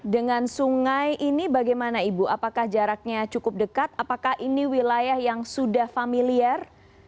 dengan sungai ini bagaimana ibu apakah jaraknya cukup dekat apakah ini wilayah yang sudah familiar